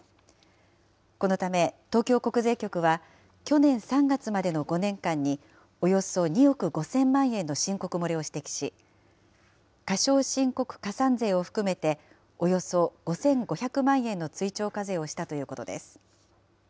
このため東京国税局は、去年３月までの５年間に、およそ２億５０００万円の申告漏れを指摘し、過少申告加算税を含めておよそ５５００万円の追徴課税をしたということです。